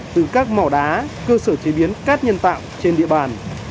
từ các mỏ đá cơ sở chế biến cát nhân tạo trên địa bàn